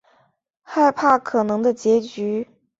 害怕可能的结局